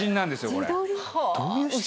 これ。